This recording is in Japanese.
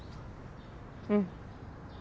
うん。